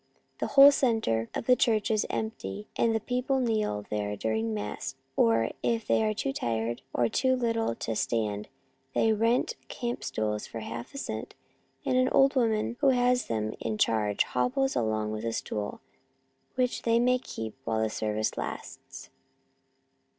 The whole centre of the church is empty, and peo ple kneel there during the mass, or if they are too tired or too little to stand, they rent camp stools for half a cent, and an old woman who has them in charge hobbles along with a stool, which they may keep while the service lasts.